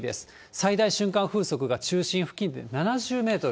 最大瞬間風速が中心付近で７０メートル。